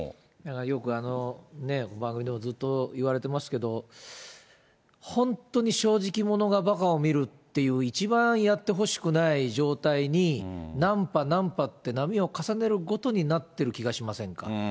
よくね、番組でもずっと言われてますけれども、本当に正直者がばかを見るっていう、一番やってほしくない状態に、何波何波って波を重ねるごとになってる気がしませんか？